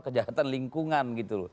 kejahatan lingkungan gitu loh